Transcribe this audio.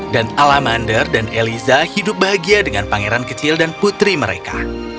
dan alamander dan eliza hidup bahagia dengan pangeran kecil dan putri mereka